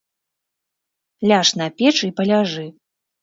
Ляж на печ і паляжы.